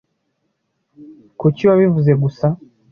Kuki wabivuze gusa?